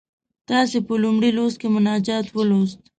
تاسې په لومړي لوست کې مناجات ولوست.